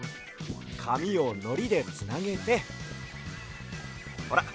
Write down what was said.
かみをのりでつなげてほら